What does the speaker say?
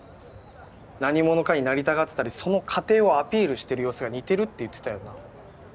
何者かになりたがってたりその過程をアピールしてる様子が似てるって言ってたよな。